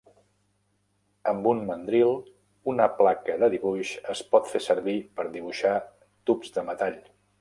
Amb un mandril, una placa de dibuix es pot fer servir per dibuixar tubs de metall.